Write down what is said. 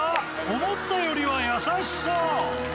思ったよりは優しそう。